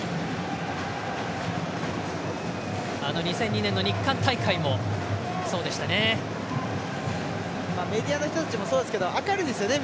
あの２００２年の日韓大会もそうでしたね。